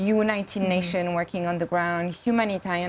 united nations yang bekerja di tanah